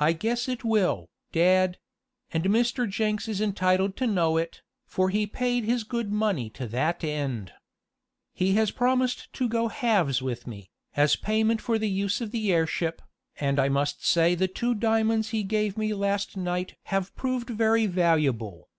"I guess it will, dad; and Mr. Jenks is entitled to know it, for he paid his good money to that end. He has promised to go halves with me, as payment for the use of the airship, and I must say the two diamonds he gave me last night have proved very valuable."